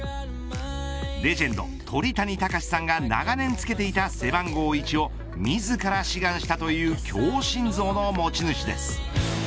レジェンド鳥谷敬さんが長年つけていた背番号１を自ら志願したという強心臓の持ち主です。